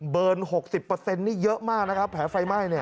เบิร์น๖๐เปอร์เซ็นท์นี่เยอะมากนะครับแผลไฟไหม้เนี่ย